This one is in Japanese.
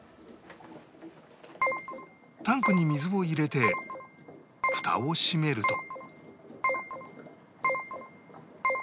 タンクに水を入れてフタを閉めると